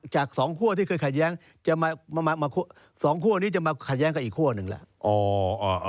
จากสองขั้วที่เคยขัดแย้งสองขั้วนี้จะมาขัดแย้งกับอีกขั้วหนึ่งละ